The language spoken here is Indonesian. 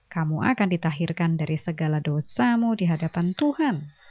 kamu akan ditahirkan dari segala dosamu dihadapan tuhan